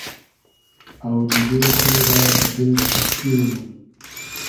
آودیدې خو رۂ دۂ دیل تېبچی مونوم